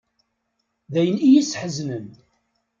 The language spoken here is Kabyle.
D ayen i y-issḥeznen.